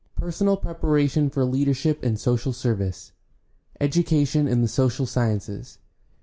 PERSONAL PREPARATION FOR LEADERSHIP IN SOCIAL SERVICE Education in the social sciences.